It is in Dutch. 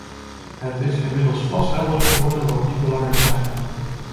Het is inmiddels glashelder geworden wat die belangen zijn.